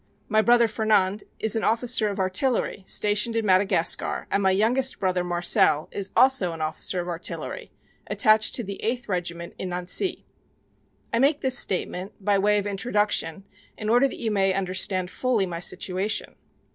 My brother Fernand is an officer of artillery stationed in Madagascar, and my youngest brother Marcel is also an officer of artillery attached to the 8th Regiment in Nancy. I make this statement by way of introduction in order that you may understand fully my situation.